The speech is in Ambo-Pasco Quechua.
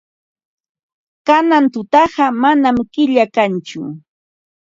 Kanan tutaqa manam killa kanchu.